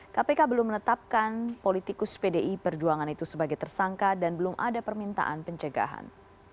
kpk belum menetapkan politikus pdi perjuangan itu sebagai tersangka dan belum ada permintaan pencegahan